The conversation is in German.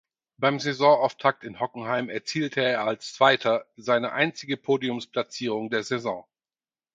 Beim Saisonauftakt in Hockenheim erzielte er als Zweiter seine einzige Podiumsplatzierung der Saison.